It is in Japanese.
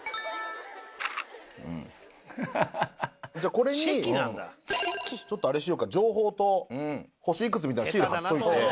これにちょっとあれしようか情報と星いくつみたいなシール貼っといて。